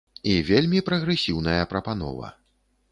І вельмі прагрэсіўная прапанова.